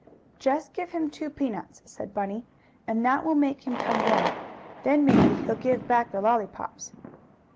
"Just give him two peanuts," said Bunny, "and that will make him come down. Then maybe he'll give back the lollypops."